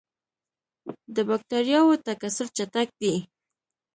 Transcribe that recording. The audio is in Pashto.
د بکټریاوو تکثر چټک دی.